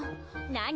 何？